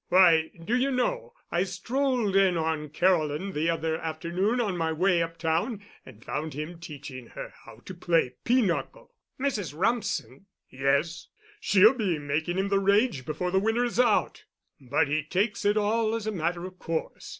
Why, do you know, I strolled in on Caroline the other afternoon on my way uptown and found him teaching her how to play pinochle." "Mrs. Rumsen?" "Yes. She'll be making him the rage before the winter is out. But he takes it all as a matter of course.